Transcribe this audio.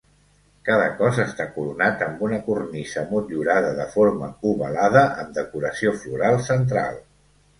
Cada cos està coronat amb una cornisa motllurada de forma ovalada, amb decoració floral central.